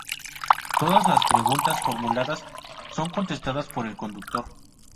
Todas las preguntas formuladas son contestadas por el conductor.